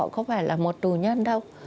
không phải là một tù nhân đâu